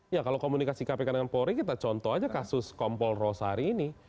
ya kalau komunikasi kpk dengan polri kita contoh aja kasus kompol rosari ini